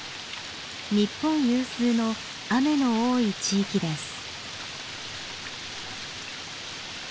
日本有数の雨の多い地域です。